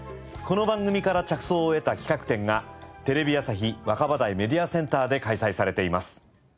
この番組から着想を得た企画展がテレビ朝日若葉台メディアセンターで開催されています。